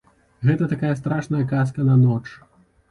Гэта такая страшная казка на ноч.